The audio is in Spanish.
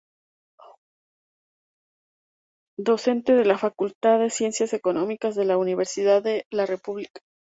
Docente de la Facultad de Ciencias Económicas de la Universidad de la República.